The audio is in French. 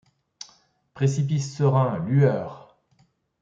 Précipice serein ! lueur !